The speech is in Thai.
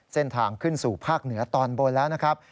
เส้นทางขึ้นสู่ภาคเหนือตอนบนแล้วนะครับ